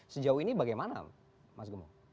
sejauh ini bagaimana mas gemung